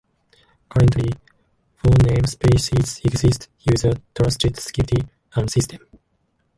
Currently, four namespaces exist: user, trusted, security and system.